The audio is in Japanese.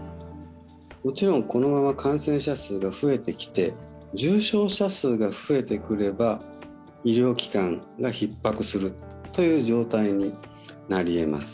もちろん、このまま感染者数が増えてきて重症者数が増えてくれば医療機関がひっ迫するという状態になりえます。